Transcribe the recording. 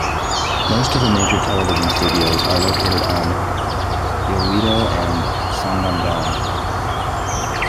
Most of the major television studios are located on Yeouido and Sangam-dong.